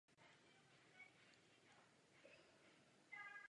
Přední i zadní brzdy byly kotoučové.